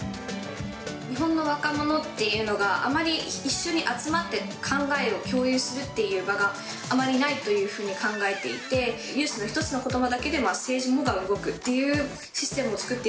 日本の若者っていうのが、あまり一緒に集まって考えを共有するっていう場があまりないというふうに考えていて、ユースの一つのことばだけで政治もが動くというシステムを作って